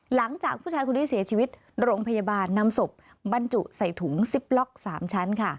หลังจากผู้ชายคนนี้เสียชีวิตโรงพยาบาลนำศพบรรจุใส่ถุงซิปล็อก๓ชั้นค่ะ